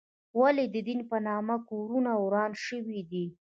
ولې د دین په نامه کورونه وران شوي دي؟